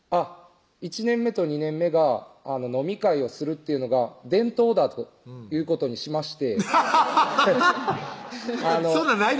１年目と２年目が飲み会をするっていうのが伝統だということにしましてハハハハハッ